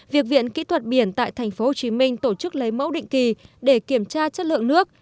việc viện kỹ thuật biển tại tp hcm tổ chức lấy mẫu định kỳ để kiểm tra chất lượng nước